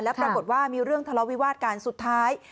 แล้วปรากฏว่ามีเรื่องทะเลาวิวาสกันสุดท้าย